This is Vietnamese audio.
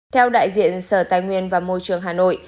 theo đại diện sở tài nguyên và môi trường hà nội